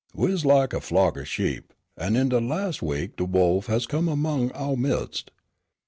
We is lak a flock o' sheep, an' in de las' week de wolf has come among ouah midst.